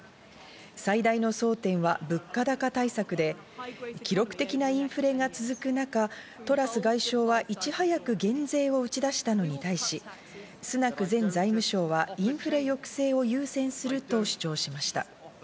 最大の争点は物価高対策で、記録的なインフレが続く中、トラス外相はいち早く減税を打ち出したのに対し、スナク前財務相はインフレ抑制を優先すると主張しました。